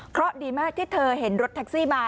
เพราะดีมากที่เธอเห็นรถแท็กซี่มา